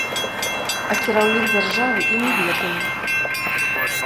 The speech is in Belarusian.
А кіраўнік дзяржавы і не ведае!